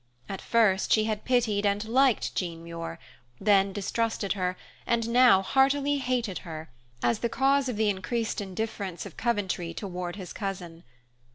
At first she had pitied and liked Jean Muir, then distrusted her, and now heartily hated her, as the cause of the increased indifference of Coventry toward his cousin.